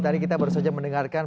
tadi kita baru saja mendengarkan